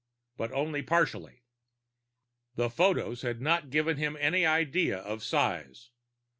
But only partially. The photos had not given him any idea of size.